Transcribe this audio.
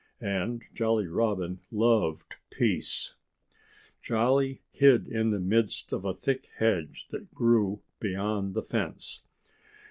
And Jolly Robin loved peace. Jolly hid in the midst of a thick hedge that grew beyond the fence.